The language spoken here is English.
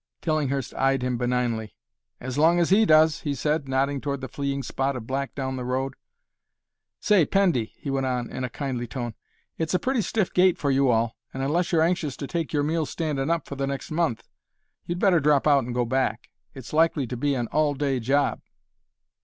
Tillinghurst eyed him benignly. "As long as he does," he said, nodding toward the fleeing spot of black down the road. "Say, Pendy," he went on in a kindly tone, "it's a pretty stiff gait for you all, and unless you're anxious to take your meals standin' for the next month you'd better drop out and go back. It's likely to be an all day job."